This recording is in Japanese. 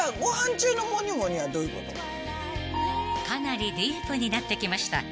［かなりディープになってきました］